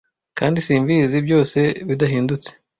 Kandi simbizi! Byose bidahindutse